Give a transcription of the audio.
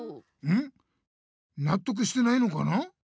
なっとくしてないのかな？